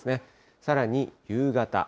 さらに夕方。